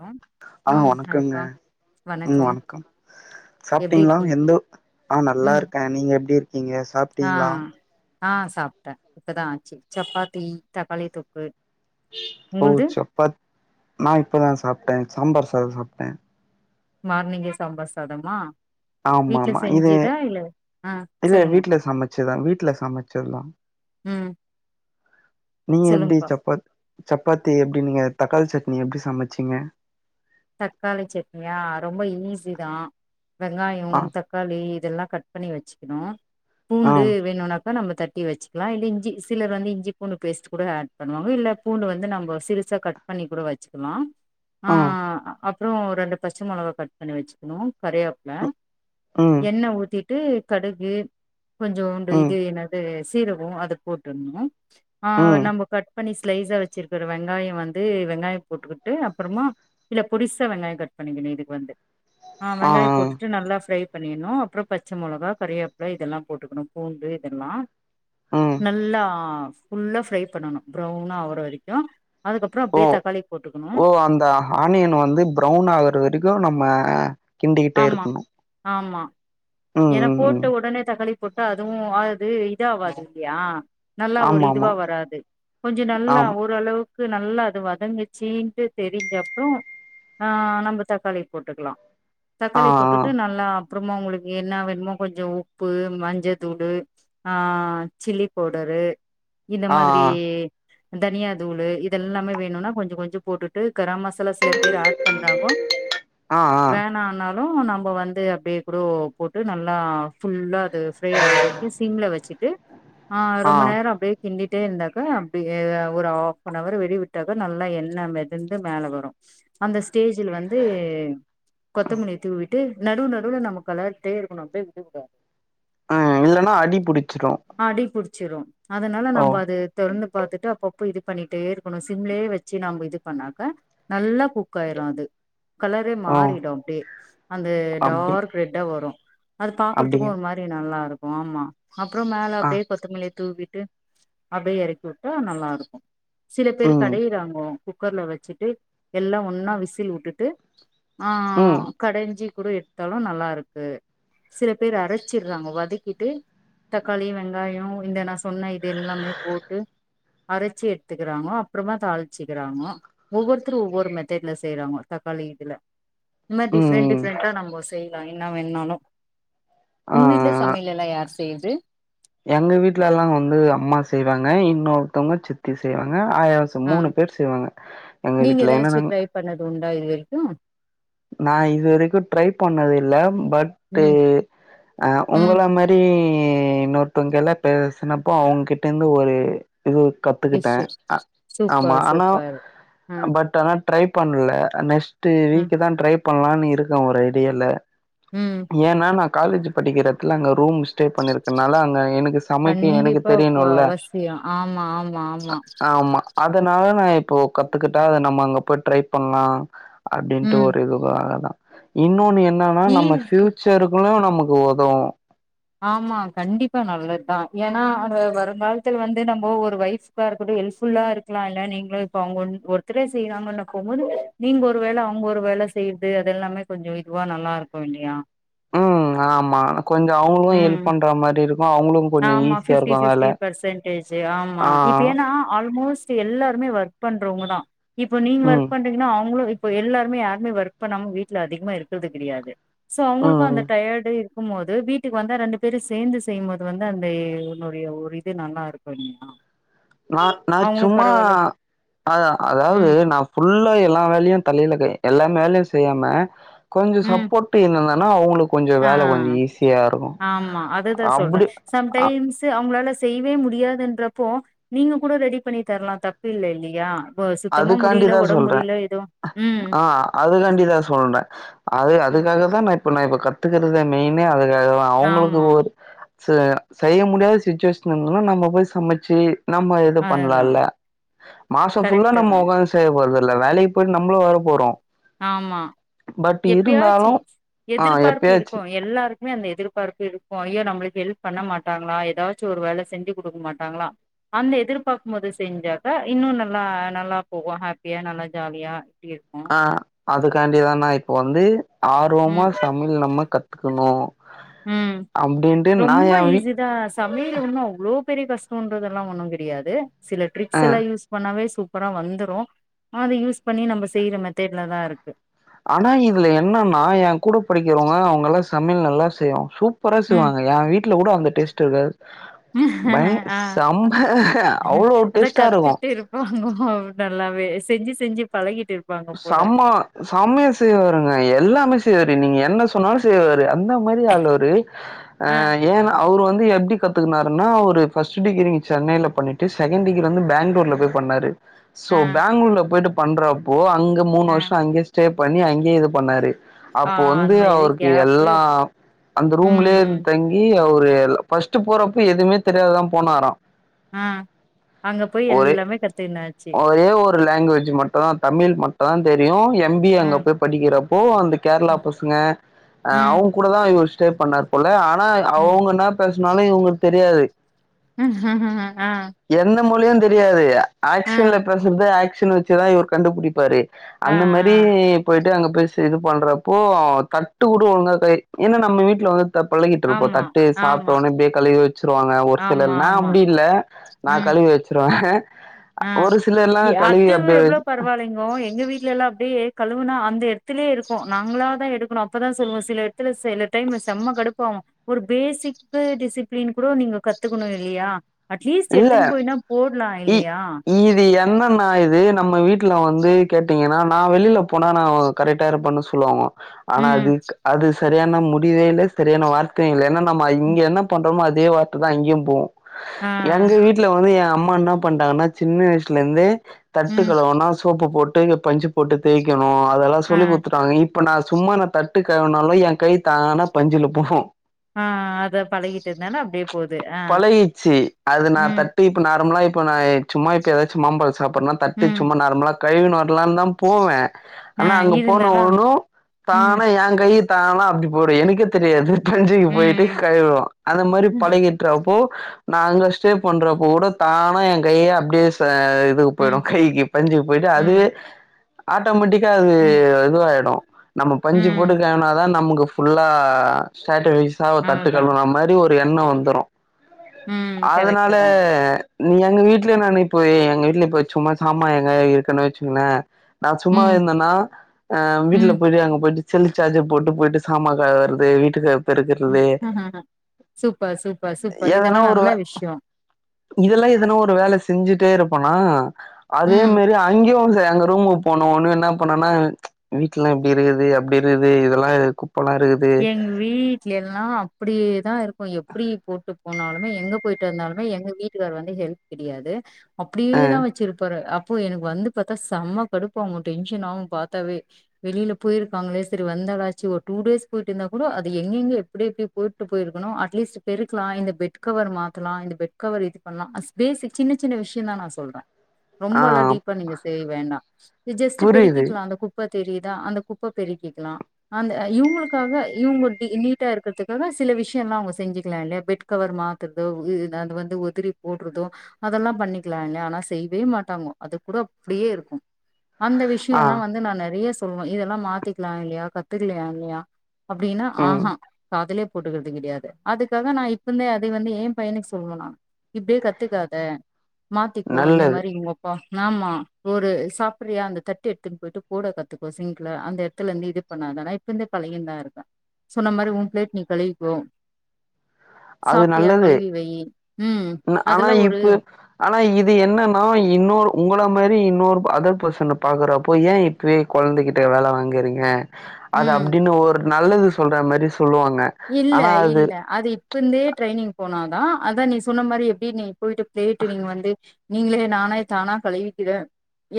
Hello அலே ம் வணக்கங்க ஹாய்ப்பா ம் வணக்கோ வணக்கம் எப்டி சாப்பிட்டீங்களா இருக்கீங் எந்தோ ஆஹ் நல்லா ம் இருக்கேன் நீங்க எப்படி நீங்க சாப்பிட்டீங்களா ஆஹ் சாப்பிட்டேன் இப்பதான் ஆச்சு சப்பாத்தி தக்காளி தொக்கு ஓ உங்குள்து சப்பாத் நான் இப்பதான் சாப்ட்டே சாம்பார் சாத சாப்ட்டேன் மார்னிங்கே சாம்பார் சாதமா ஆமா வீட்ல ஆமா இது செஞ்சுதா இல்ல ஆ இது சொல்லுங்க வீட்ல சமைச்சதுதான் வீட்ல சமைச்சதுதா ம் நீங்க எப்பிடி சொல்லுங்ப்பா சப்பாத் சப்பாத்தி எப்பிடி நீங்க தக்காளி சட்னி எப்பிடி சமைச்சீங்க தக்காளி சட்னியா ரொம்ப இனீஸி தா வெங்காயோ ஆ தக்காளி இதெல்லா கட் பண்ணி வச்சுக்னு ஆ பூண்டு வேணும்னா நம்ம தட்டி வச்சுக்லா இல்ல இஞ்சி சிலர் வந்து இஞ்சி பூணு பேஸ்ட் கூட ஆட் பண்ணுவாங்க இல்ல பூண்டு வந்து நம்ம சிறுசா கட் பண்ணி கூட வச்சுக்லா ஆ அப்றோ ரெண்டு பச்ச மிளகா கட் பண்ணி வச்சிக்னு கரிவேப்ல ம் எண்ண ஊத்திட் டு கடுகு கொஞ்சோன்டு ம் இது என்னது சீரகோ அது போட்டுட்ணு அ ம் நம்போ கட் பண்ணி ஸ்லைஸா வெச்சிர்க்குற வெங்காய் வந்து வெங்காய போட்டுக்குட்டு அப்புறமா இல்ல பொடிசா வெங்காயம கட் பண்ணிக்கணு இதுக் வந்து அ ஆ வெங்காய ஆ போட்டுட்டு நல்லா ஃப்ரை பண்ணிர்னு அப்ற பச்ச மொளகா கரிவேப்ல இதல்லா போட்டுக்ணு பூண்டு இதெல்லா ம் நல்லா ஃபுல்லா ஃப்ரை பண்ணனு ப்ரவுனா ஆவுற வரக்கு ஓ ஓ அந்த ஆனியன் வந் ப்ரௌவுன் ஆகற வரைக்கு நம்ம கிண்டிக்கிட்டே ஆமா இருக்கணு ஆமா ம் ஏனா ம் ம் போட்டு உடனே தக்காளி போட்டா அதுவு அது இது ஆவாது இல்லியா நல்லா ஒரு ஆமா ஆமா இதுவா வராது கொஞ்ச நல்லா ஆம் ஓரளவுக் கு நல்லா அது வதங்குச்சின்ட்டு தெரிஞ்சப்றோ ஆ நம்ம தக்காளி போட்டுக்லா ஆ தக்காளிய போட்டுட்டு நல்லா அப்றமா உங்ளுக் என்னா வேணுமோ கொஞ்சோ உப்பு மஞ்ச தூளு ஆ சில்லி பவுடரு இந்த ஆ மாதிரி தனியா தூளு இதெல்லாமே வேணுனா கொஞ்ச கொஞ்ச போட்டுட்டு கரம் மசாலா சில பேர் ஆட் பண்றாங்கோ ஆ ஆ ஆ வேனா ஆன புரோ நம்ப வந்து அப்டியே புரோ போட்டு நல்லா ஃபுல்லா து ஃபெர ஆகற வரைக்கு சிம்ல வச்சுட் து ஆ ரொம்ப நேரோ அப்டியே கிண்டிட்டு ட்டே இருந்தாக்க அப்டியே ஒரு ஹாஃன்அவர் வெடிவிட்டாக்கா நல்லா எண்ணெய் மெதந்து மேல வரு அந்த டேஜ்ல ‌வந்து கொத்தமல்லி தூவிட் ட்டு நடுவுல நடுவுல நம்ம கலர் ட்டே ருக்கணு அப்டியே விடக் கூடாத் ஆ இல்லன்னா அடி புடிச்சிக்கு ஆடி புடிச்சிரு அதனால நம்ம அது தொறந்து பாத்துட்டு அப்ப ம்ம இது பண்ணிட்டே இருக்கணு சிம்லயே வச்சு நம்ம இது பண்ணாக்க நல்லா குக் ஆயிரு அது கலரே ஓ மாறிடொ அப்டியே அந்த அப்டி டார்க் ரெட்டா வரு அது பாக்குறதுக்கு அப்டிங்க ஒரு மாரி நல்லா இருக் வாம்மா அப்றோ மேல ஆ அப்டியே கொத்தமல்லித் தூவிட்டு அப்டியே இறக்கி விட்டா நல்லா இருக்கு சில பேர் ம் கடையிறாங்ஓ குக்கர்ல வச்சுட்டு எல்லா ஒன்னா விசில் விட்டுட்டு ஆ ம் ஆ கடஞ்சி கூரு எடுத்தாலு நல்லா இருக்கு சில பேர் அரைச்சுறாங்க வதக்கிட்டு தக்காளி வெங்காயோ இந்த நா சொன்ன இது எல்லாமே போட்டு அரைச்சு எடுத்துக்குறாங்கோ அப்புறோம்மா தாளிச்சுக்குறாங்கோ ஒவ்வொருத்தரு ஒவ்வொரு மெத்தட்ல செய்யறாங்கோ தக்காளி இதுல இது மாரி டிஃரெண்ட் ம் டிஃரெண்ட்டா நம்போ செ செய்லா என்ன வேண்ணாலு ஆ உங்க வீட்டுலயே சமையல் எல்லா யாரு செ பெய்து எங்க வீட்டுல எல்லாம் வந்து அம்மா செய்வாங்க இன்னொருத்தவங்க சித்தி செய்வாங்க ங்க ஆயாசோ ஆ மூணு பேர் செய்வாங்க எங்க நீங்க வீட்டுல ஏதாச்சு என்னன்னாங்க ட்ரை பண்ணது உண்டா இது வரைக்கு நா இதுவரைக்கு ட்ரைப் பண்ணது இல்ல பட் ம் ம் உங்கள மரி இன்னொ த்தவங்க எல்லா பேசினப்போ அவுங்கிட்ட இருந்து ஒரு இது கத்துக்கிட்டே டிஷ்ஷு ஆ ஆமா சூப்பர் ஆனா சூப்பர் ஆ பட் ஆனா ட்ரை பண்ல நெக்ஸ்ட் ஆ டீவி பண்ணலான்னு இருக்க ஒரு ஐடியால ம் ஏன்னா நா காலேஜ் படிக்கிற எடத்துல அங்க ரூம்ஸ் ஸ்டே பண்ணிருக்கனால அங்க எனக்கு சமைக்க எனக்கு கண்டிப்பா அப்போ தெரியணுல்ல அவசியோ ஆமா ஆமா ஆமா ஆ ஆமா அதனால நா இப்போ கத்துக்கிட்டா அத நம்ம அங்க போய் ட்ரை பண்ணலா அப்டி ம் ஒரு இது தானா இன்னொன் என் என்னான்னா நம்ம ஈஸி ஃபியூச்சருக்குள்ள நம் நமக்கு ஒதவு ஆமா கண்டிப்பா நல்லதுதா ஏன்னா அந்த வருங்காலத்துல வந்து நம்போ ஒரு ஓய்ஃப்க்கா இருக்கட்டு ஹெல்ப்ஃபுல்லா இருக்கலாயில்ல நீங்களு இப்ப அவுங் ஒன் ஒருத்தரே செய்றாங்கன்னுருக்கும்போது நீங்க ஒரு வேல அவங்க ஒரு வேல செய்றது அதெல்லாமே கொஞ்சோ இதுவா நல்லாருக்கு இல்லியா உம் ஆமா கொஞ்சோ அவங்களு ம் ஹெல்ப் பண்ற மாரியிருக் ஆமா பிஃப்ட்டி பிஃப்ட்டி பெர்சென்ட்டேஜ்ஜூ ஆமா ஆ இப்ப ஏன்னா ஆல்மோஸ்ட் எல்லாருமே ஒர்க் பண்றவங்க தா இப்ப நீங்க ம் ஒர்க் பண்றீங்கன்னா அவங்களு வீட் இப்போ எல்லாருமே யாருமே ஒர்க் பண்ணாம வீட்ல அதிகமா இருக்கறது கெடையாது சோ அவங்களுக்கு ம் அந்த டயர்டு இரு க்கும்போது வீட்டுக்கு வந்தா ரெண்டு பேரும் சேந்து செய்யும்போத் து வந்து அந்த ஒன்னுடைய ஒரு இது நல்லாருக்கு இல்லயா நா நா சும்மா அ அதாவது ம் நா ஃபுல்லா எல்லா வேலையு தலையில கட் எல்லா மேலயு செய்யாம கொஞ்ச சப்போர்ட்ங் நல்லாருக்கு ஆனா அவங்களுக் ஆ ஆ ஆ ஆமா அதுதா சொல்ற அப்டி அ சம்டைம்ஸ் அவங்களால செய்யவே முடியாதுன்றப்போ நீங்க கூட ரெடி பண்ணித்தரலா‌ தப்புல்ல இல்லையா இப்ப சுத்தமா முடியல அதுக்காண்டிதா ஒடம்பு சொல்ற முடியல ஏதோ ம் ஆ அதுக்காண்டிதா சொல்ற அது ம். அதுக்காக தா நா இப்ப நா இப்ப கத் த்துக்கறத மெய்ன்னே அது அது தா அவங்களுக்கு ஆமா ஒரு செ செய்ய முடியாத சுச்சுவேஷன் இருந்தன்னா நம்ம போய் சமச்சு நம்ம எது அதுதா பண்லால்ல மாசோ கரெக்ட்டு தா மோக செய்யப் ஒருது இல்ல வேலைக்கு போய்ட்டு நம்மளு வேலை போறோம் ஆமா எப்பயாச்சி ஆ எதிர்பார்ப்பு எப்பயாச்சு இருக்கும் எல்லாருக்குமே அந்த எதிர்பார்ப்பு இருக்கும் ஐயோ நம்ளுக் ஹெல்ப் பண்ண மாட்டாங்களா ஏதாச்சு ஒரு வேலை செஞ்சு குடுக்க மாட்டாங்களா அந்த எதிர்பாக்கும்போது செஞ்சாக்கா இன்னும் நல்லா நல்லா போகும் ஹேப்பியா நல்லா ஜாலியா இப்டி இருக்கு ஆ அதுக்காண்டிதா நா இப்போ வந்து ஆர்வமா ம் சமையல் நம்ம கத்துக்கணும்ஃ ம் ரொம்ப ஏ வீ ஈஸிதா சமையல் ஒன்னு அவ்ளோ பெரிய கஷ்டம்ன்றதெல்லா ஒண்ணு கெடையாது சில ஆ டிரிக்ஸ் எல்லாம் யூஸ் பண்ணாவே சூப் பரா வந்துரு அத யூஸ் பண்ணி நம்ம செய்யற மெத்தேட்ல தாஅ இருக்கு ஆனா இதுல என்னன்னா என கூட படிக்கிறவங்க அவங்கல்லா சமையல் நல்லா செய்வான் சூப் பறா ம் செய்வாங்க எ வீட் [unintelligible] ல கூட அந்த டேஸ்ட் இருக்காது பய ஆ செம்ம அவ்ளோ அத டேஸ்ட்டா கத்துட்டு இருக்கு இருப்பாங்க நல்லாவே செஞ்சு செஞ்சு பழகிட்டு இருப்பாங்க போல சம சமையா செய்வாருங்க எல்லாமே தெரி நீங்க என்ன சொன்னாலும் செய்வாரு அந்த அந்த மாரி ஆளு அவரு அ ஆ ஏ அவரு வந்து து எப்டி கத்துக்குனாருனா ஒரு ஃபர்ஸ்ட்டு டிகிரி சென்னைல பண்ணிட்டு செகண்ட் டிகிரி வந்து பேங்களூர்ல போய் பண்ணாரு சோ ஆ பேங்களூர்ல போய்ட்டு பன்றாப் போ அங்க மூணு ஆ வருஷோ அங்கே ஸ்டே பண்ணி அங்கே இது பண்ணாரு ஆ அப்போ வந்து அந்த இது அவருக்கு கேப்பு எல்லாம் அந்த ம் ரூம்லே ம் இருந்து தங்கி அவர் ஃபஸ்ட் போறப்ப எதுவுமே தெரியாத தான் போனாராம் ம் அங்க போய் எல்லாமே கத்துக்கினாரு ஓ ஒரு லாங்குவேஜ் மட்டும் தான் தமிழ் மட்டும் தான் தெரியும் என் எம்பிஏ ஆ அங்க போய் படிக்கிறப்போ ஓ அந்து கேரளா ம் பசுங்க ம் அவங்க கூடதான் இவர் ஸ்டே பண்ணார் போல அ ன ம் அவுங்க இன்னா பேசுனாலு இவுங்குளுக் தெரியாது ஆ என்ன மொழியுந் தெரியாது ஆ ஏக்ஷன்ல பெசறது எக் ச்சுனு வெச்சதா இவர் கண்டுபுடிப்பாரே ஆ ஆ அந்த மேரி போயிட்டு அங்க பேசி இது பண்றப்போ அவ தட்டு கூட ஒழுங்கா கை ஏன்ன நம்ம வீட்ல வ த பழகிட்ருப்போ ஆமா தட்டு ஆமா சாப்ட்ட உனே இப்டே கழுவி வெ ச்சிருவாங்க ஒரு ஆமா சிலல் நா ஆமா அப்டி இல்ல நா கழுவி வெச்சிருவே ம் இ அது எவ்ளோ வச்சு- பரவாலிங்கோ எங்க வீட்ல எல்லா அப்டியே கழுவுனா அந்த எ த்துலியே இருக்கு நாங்ளா தா எடுக்குணு அப்பதா சொல்வோ சில எட்த்துல சில டைமு செம்ம கடுப்பாவு ஒரு பேசிக்கு டிசிப்ளின் கூடொ நீங்க கத்துக்குணு இல்லியா அட்லீஸ்ட் இல்ல எட்துனு போய்னா போட்லா இல் இ இது என்னன் ஆ இது நம்ம வீ ட்ல வந்து கேட்டீங்கனா நா வெளில போனா நா கரெட்டா இருப்பண்ணு ஸ் சொல்லுவாங்கோ ஆனா ம் அதுக் அது சரியான முடிவே இல்லே செரியான வார்த்தையு இல்ல என்னன் ஆமா ம் இங்க என்ன பண்றமோ அ அதே வார்த்த தா அங்கியு போவு ஆ எங்க வீட்ல வந்து எ அம் மா என்ன பண்டாங்கன்னா சின்ன வய்ஸ்லிந்தே தட்டு ம் கழுவுனா சோப்பு போட் டு பஞ்சு போட்டு தேய்க்கு னு அதெல்லா ஆ சொல்லி குத்துட்டாங்க இப் இப்ப நா சும்மா நா தட்டு கழுவனாலு எ கை தானா பஞ்சுல போகு அ அ அத பழகிட்டதுனால அப்டியே போது அ பழகிச்சு அது நா தட்டு இப்ப நா நார்மலா இப்ப நா சும்மா இப்ப எதாச்சு மாம்பழ சாப்பர்னா தட்டு ம் சும்மா நார்மலா கழுவினு வ லான் தா போவே ஆ ஆனா அங்க போன இருந்தாலு ஒன்னு ம் தானா எங்கைய தானா அப்டி போய்டு எனக்கே தெரியாது பஞ்சுக்கு போய்ட்டு ம் கழுவுரோ அந்த மாரி ம் பழகிட்றப்போ நா அங்க ஸ்டே பண்றப்ப கூட தானா என் கைய அப்டே ச அ இதுக்கு போயிடு ம் கைக்கு பஞ்சுக்கு போய்ட்டு ம் அதுவே ஆட்டோமேட்டிக் கா அது ம் இதுவாயிடு நம்ம பஞ்சு ம் போட்டுக்கலேனாதா நமக்கு புல்லா சேட்ட [unintelligible] சாவ தட்டு அதுதா கழுவுனாமாரி ஒரு எண்ண வந்துரு ம் அதனால கரெக்ட்டு தா எங்க வீட்டுல நானு இப்பயே எங்க வீட்டுல சும்மா சாமா எங்கயாவது இருக்குன்னு வச்சுகங்கலே நா சும்மாவே ம் இருந்தேன்னா அஹ வீட்டுல ம் போய்ட்டு அங்க போய்ட்டு செல்லு சார்ஜர் போட்டு போய்ட்டு சாமா கழவரது வீட்டுக்கு பெருக்குறது சூப்பர் சூப்பர் சூப்பர் இதெல்லா நா டுவ இதெல்லா எதனோ ஒரு வேலை செஞ்சுட் டே இருப்பேனா அதே ம் மாரி அங்கியு ச எங்க ரூமுக்கு போனோ ஒன்னு என்ன பன்னேனா ச் வீட்டுல்லா இப்டி இருக்குது அப்டி இருக்குது இதெல்லா குப் எங் வீட்லெல்லா அப்டியேதா இருக்கு போ எப்டி போட்டுப் போனாலுமே எங்க போய்ட்டு வந்தாலுமே எங்க வீட்டுக்காரு வந்து ஹெல்ப் கிடையாது ஆ அப்டியேதா வச்சிருப்பாரு அப் போ எனக்கு வந்து பாத்தா செம்ம கடுப்பாகு டென்ஷன் ஆகு பாத்தாவே வெளில போயிருக்காங்களே செரி வந்தாளாச்சு ஒரு டூ டேஸ் போய்ட்டு வந்தா கூட அது எங்கெங்கேயோ எப்டி எப்டியோ போட்டு போய்ருக்கணு அட்லீஸ்ட் பெருக்கலா இந்த பெட் கவர் மாத்தலா இந்த பெட் கவர் இது பண்ணலா பேசிக் சின்ன சின்ன விஷயோ தா நா சொல்றே ரொம்ப ஆ எல்லா டீப்பா நீங்க செய்ய வேண்டா ஜஸ்ட் புரியுது பெருக்கிக்கலா அந்த குப்ப தெரிதா அந்த குப்ப பெருக்கிக்கலா அந்த இவுங்களுக் காக இவுங்க நீட்டா இருக்கிறதுக்காக சில விஷயோல்லா அவுங்க செஞ்சுக்கலா இல்லயா பெட் கவர் மாத்துறதோ அது வந்து உதரி போடுறதோ அதெல்லா பண்ணிக்கலா இல்லயா ஆனா செய்யவே மாட்டாங்க அது கூட அப்டியே இருக்கூ அந்த ஆ விஷயோல்லா வந்து நா நெறைய சொல்லுவே இதெல்லா மாத்திக்கலா இல்லயா கத்துக்கலா இல்லயா அப்டின்னா ம் ஆஹ்ஹா காதுலே போட்டுக்குறது கெடையாது அதுக்காக நா இப்பந்தே அதே வந்து ஏ பையனுக் சொல்வ நா இப்டியே கத்துக்காத மாத்திக்கோ இந்த நல்லது மாரி உங்கப்பா ஆமா ஒரு சாப்புர்றியா அந்த தட்டு எடுத்துன் போயிட்டு போட கத்துக்கோ சிங்க்ல அந்த எட்த்துலேந்து இது பண்ணாத இப்பருந்தே பழகிர்ந்தா சொன்ன மாரி ஓ ப்ளேட் நீ கழுவிக்கோ அது சாப்ட்டியா நல்லது கழுவி வையி ம் ன ஆனா அதெல்லா ஒரு இப்ப ஆனா இது என்னன்னா இன்னொரு உங்கள மாரி இன்னொரு அதர் பர்சன பாக்குறப்போ ஏ இப்பவே கொழந்தக்கிட்ட வேல வாங்குறீங்க அது ம் அப்டின்னு ஒரு நல்லது சொல்ற மாரி சொல்லுவாங்க ஆனா அது பருந்தே ட்ரைனிங் போனா தா அதா நீ சொன்ன மாரி எப்டி நீ போய்ட்டு ப்ளேட்டு நீங்க வந்து நீங்களே நானே தானா கழுவிக்கிறே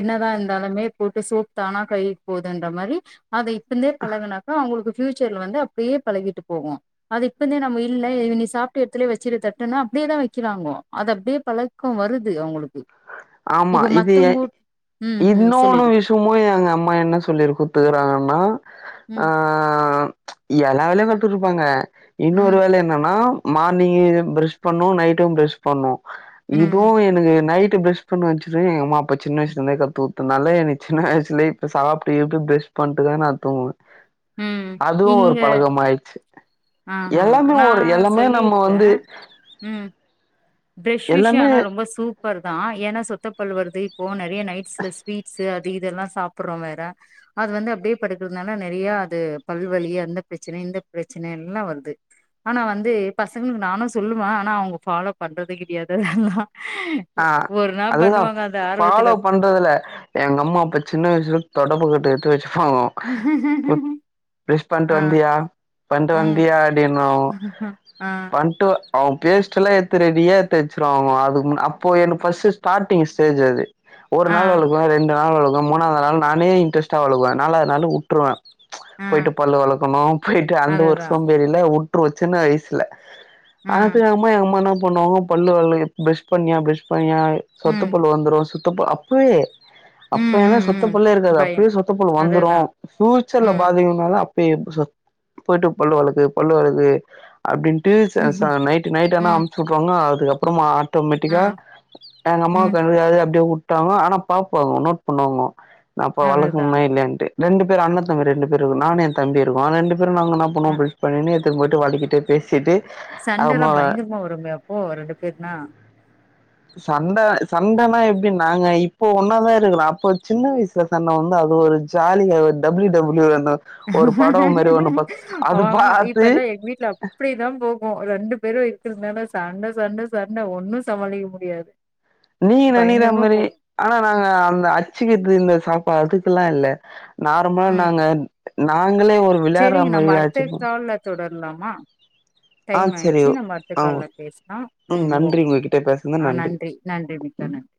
என்னதாருந்தாலுமே போட்டு சோப் தானா கை போதுன்ற மாரி அத இப்பந்தே பழகுனாக்கா அவுங்களுக்கு ஃப்யூச்சர்ல வந்து அப்டியே பழகிட்டு போகு அது இப்பந்தே நம்ம இல்ல இது நீ சாப்ட்டு எட்த்லயே வெச்சிரு தட்டனா அப்டியேதா வெக்கிறாங்கோ அது அப்டியே பழக்கோ வருது அவுங்களுக்கு ஆமா இது எ ம் ம் இன்னொன்னு சொல்லிடு விஷயமு எங்க அம்மா என்ன சொல்லி குத்துருக்குறாங்கனா ஆ ம் எல்லா வேலையு கத்துக் குடுப்பாங்க இன்னொரு ம் வேல என்னன்னா மார்னிங்கு ப்ரஷ் பண்ணு நைட்டு ப்ரஷ் பண்ணு ம் இதுவு எனக்கு நைட் டு ப்ரஷ் [unintelligible] எங்க அம்மா அப்ப சின்ன வயசுலந்தே கத்துக்குடுத்தனால எனக்கு சின்ன வயசுலயே இப்ப சாப்ட்டு ஈப்ட்டு ப்ரஷ் பண்ட்டுதா நா தூங்குவ ம் அதுவு ஒரு இங்க பழக்கம் ஆயிட்ச்சி ஆஹா எல்லாமே நா ஒரு எல்லாமே நம்ம சொல்லிருக்கே வந்து ப்ரஷ் விஷ்யோ எல்லாமே ஆனா ரொம்ப சூப் பர் தா ஏன்னா சொத்த பல் வருது இப்போ ந றைய நைட்ஸ்ல ஸ்வீட்ஸு அ து இதெல்லா சாப்புர்றோ வேற அது வந்து அப்டியே படுக்குறத்னால நெறையா அது பல்வலி அந்த ப்ரச்சன இந்த ப்ரச்சன எல்லா வருது ஆனா வந்து பசங்ளு நானு சொல்லுவ ஆனா அவுங்க ஃபாலோ பண்றது கிடையாது அதல்லா ஆ அதுதா அந்த ஆர்வத்துல ஃபாலோ பண்றதுல்ல எங்க அம்மா அப்ப சின்ன வயசு தொடப்பக் கட்ட எட் த்து வெச்சுர் ஃபோ ப்ரொ ப்ரஷ் பண்ட்டு ஆ வந்தியா பண்ட்டு ம் வந்தியா அப்டின்னுவாங்கோ ஆ பண்ட்டு அவுங்க பேஸ்ட்டெல்லா எட்த்து ரெடியா எட்த்து வச்சிருவாங்கோ அதுக் மு அப் போய் எனக்கு ஃபஸ்ட்டு ஸ்டாட்டிங் ஸ்டேஜு அது ஒரு ஆ நாள் வெலக்குவ ரெண்டு நாள் வெலக் மூணாவது நாள் நானே இன்ட்ரஸ்டா வெளக்குவேன் நாலாவது நாள் உட்டுருவேன் ஆ போயிட்டு பல் வெளக்கனும் போயிட்டு அந்த ஒரு அதுதா சோம்பேரியில உட் சின்ன வயசல ம் அது ஆமா அம்மா ந [unintelligible] ம் பண்ணுவாங்க பல்லு வெளக்கி பிரஷ் பண்ணியா பிர்ஷ் பண்ணி யான் ம் சொத்தப்பல்லு வந்துடும் அப்பவே அப்ப ம் ஏன்னா ம் சொத்த ம் பல்லே இருக்காது அப்பையே பயம் சொத்த பல் அதுதா வந்துடும் பியூச்சர்ல ம் பாதிக்கு போயிட்டு பல்லு வெளக்கு பல்லு வெளக்கு அப்படின் ம் நைட்டு நைட்டான ம், அமுச்சி விட்ருவாங்க அதுக்கப்பறமா ஆட்டோமேட்டிக்கா ஆ எங்க ம் அம்மாவுக்கு [unintelligible] அதாவது அப்படியே வுட்டாங்க ஆனா பாப்பாங்க நோட் பண்ணுவாங்க நான் அப்ப அதுதா விளக்குவேணா இல்லையான்ட்டு ரெண்டு பேர் அண்ணன் தம்பி ரெண்டு பேரு இருக்கும் நானும் என் தம்பியும் இருக்கும் ரெண்டு நாங்க என்ன அ பண்னோம் பிரஸ் பண்ணி போயிட்டு வெளக்கிட்டு பேசிட்டு சண்டைய அம்மா எல்லாம் பயங்கரமா வருமே அப்போ ரெண்டு பேருனா சண்டை சண்டைன்னா எப்படி நாங்க இப்போ ஒன்னாதான் இருக்குறோம் அப்போ சின்ன வயசுல சண்டை வந்து அது ஒரு ஜாலியா ஒரு டபிள்யூ டபிள்யூ விளையான் ஆமா இப்ப பாத்து எல்லாம் எங்க வீட்டுல அப்படிதான் போகும் ரெண்டு பேரும் இருக்கிறதுனால சண்டை சண்டை சண்டை ஒன்னும் சமாளிக்க முடியாது நீங்க நினைக்கிற பயங்கரமா மாதிரி போகு ஆனா நாங்க அந்த அச்சிக்கிறது இந்த அதுக்கல இல்ல நார்மலா ம் நாங்க நான் நாங்களே ஒரு விளையாடுறமாதிச்சுப்போம் ல்லாமா டைம் ஆயிச்சு நம்ம அடுத்த ஆ கால்ல பேசலாம் ம் உம் நன்றி ஓகே உங்ககிட்ட பேசுனது ஆஹ் நன்றி நன்றி மிக்க ம் நன்றி